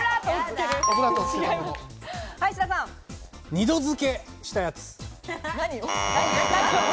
２度づけしたやつ。